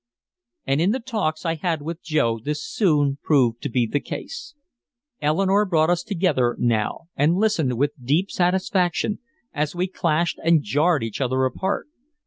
And in the talks I had with Joe this soon proved to be the case. Eleanore brought us together now and listened with deep satisfaction as we clashed and jarred each other apart.